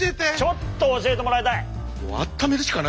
ちょっと教えてもらいたい！